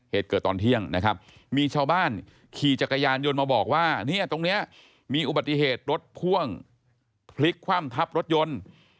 เหตุเกิดตอนเที่ยงนะครับมีชาวบ้านขี่จักรยานยนต์มาบอกว่าเนี่ยตรงนี้มีอุบัติเหตุรถพ่วงพลิกคว่ำทับรถยนต์